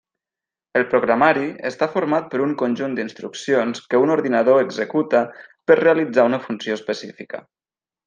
El programari està format per un conjunt d'instruccions que un ordinador executa per realitzar una funció específica.